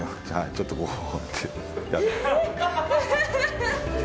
ちょっとこうやって。